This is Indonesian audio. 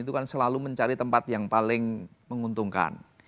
itu kan selalu mencari tempat yang paling menguntungkan